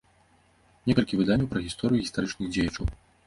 Некалькі выданняў пра гісторыю і гістарычных дзеячаў.